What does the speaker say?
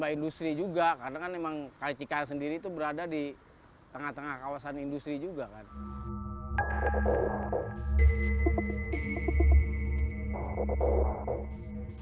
industri juga karena kan emang kali cikarang sendiri itu berada di tengah tengah kawasan industri juga kan